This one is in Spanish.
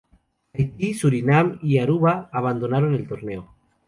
Haití, Surinam y Aruba abandonaron el torneo.